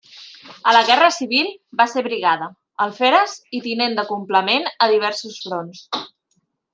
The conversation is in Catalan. A la Guerra Civil va ser brigada, alferes i tinent de complement a diversos fronts.